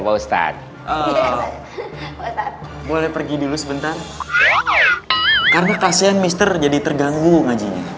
bostad boleh pergi dulu sebentar karena kasihan mister jadi terganggu ngajinya